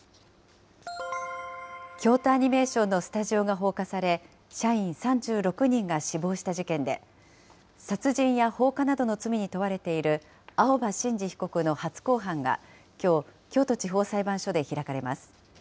京都アニメーションのスタジオが放火され、社員３６人が死亡した事件で、殺人や放火などの罪に問われている青葉真司被告のはつこうはんがきょう、京都地方裁判所で開かれます。